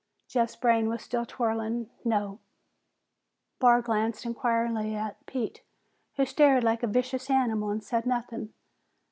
Jeff's brain was still whirling. "No." Barr glanced inquiringly at Pete, who stared like a vicious animal and said nothing.